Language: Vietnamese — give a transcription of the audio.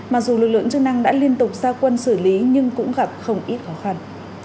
mặc dù lực lượng chức năng đã liên tục xa quân xử lý nhưng cũng gặp không ít khó khăn